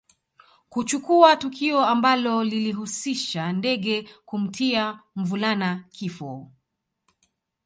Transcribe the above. Kuchukua tukio ambalo lilihusisha ndege kumtia mvulana kifo